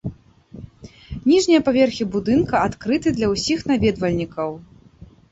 Ніжнія паверхі будынка адкрыты для ўсіх наведвальнікаў.